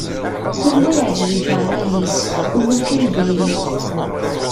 Kul wa yeɛǧeb-it ṛṛay-is, ulukan diri-t.